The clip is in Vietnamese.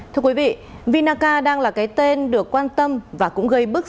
thưa quý vị vinaca đang là cái tên được quan tâm và cũng gây bức xúc